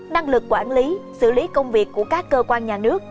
năng lực quản lý xử lý công việc của các cơ quan nhà nước